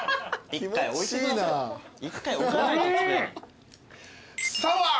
１回置かないと机に。